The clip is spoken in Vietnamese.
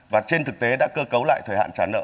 và trên thực tế đã cơ cấu lại thời hạn trả nợ